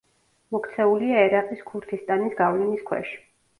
მოქცეულია ერაყის ქურთისტანის გავლენის ქვეშ.